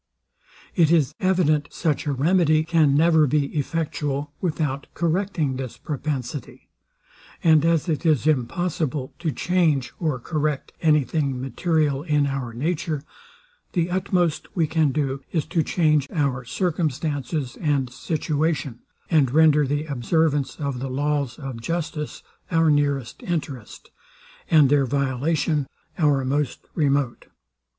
It is evident such a remedy can never be effectual without correcting this propensity; and as it is impossible to change or correct any thing material in our nature, the utmost we can do is to change our circumstances and situation, and render the observance of the laws of justice our nearest interest, and their violation our most remote.